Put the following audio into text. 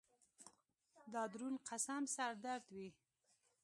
دا درون قسم سر درد وي